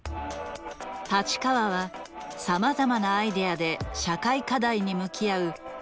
太刀川はさまざまなアイデアで社会課題に向き合う気鋭のデザイナー。